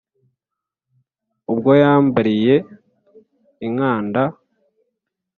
Ubwo yambariye i Nkanda